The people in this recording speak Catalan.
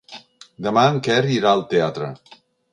Demà en Quer irà al teatre.